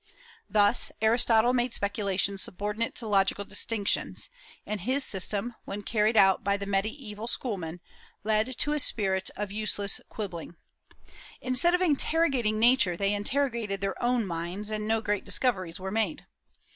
Thus Aristotle made speculation subordinate to logical distinctions, and his system, when carried out by the mediaeval Schoolmen, led to a spirit of useless quibbling. Instead of interrogating Nature they interrogated their own minds, and no great discoveries were made.